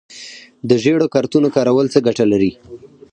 د ژیړو کارتونو کارول څه ګټه لري؟